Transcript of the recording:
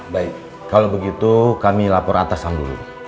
baik kalau begitu kami lapor atas sam dulu